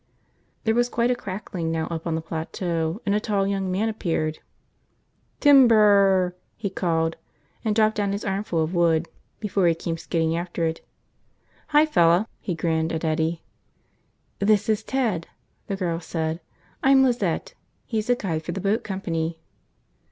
There was quite a crackling now up on the plateau and a tall young man appeared. "Timber r r!" he called, and dropped down his armful of wood before he came skidding after it. "Hi, fella," he grinned at Eddie. "This is Ted," the girl said. "I'm Lizette. He's a guide for the boat company."